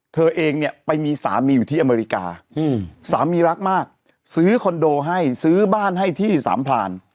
เธอเองเนี่ยไปมีสามีอยู่ที่อเมริกาสามีรักมากซื้อคอนโดให้ซื้อบ้านให้ที่สามพลาน